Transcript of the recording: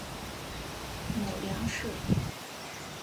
母梁氏。